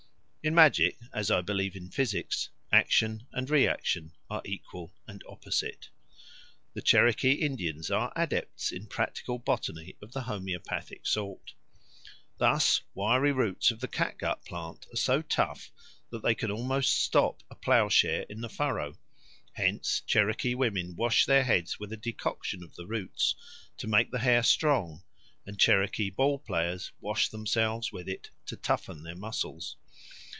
In magic, as I believe in physics, action and reaction are equal and opposite. The Cherokee Indians are adepts in practical botany of the homoeopathic sort. Thus wiry roots of the catgut plant are so tough that they can almost stop a plowshare in the furrow. Hence Cherokee women wash their heads with a decoction of the roots to make the hair strong, and Cherokee ball players wash themselves with it to toughen their muscles.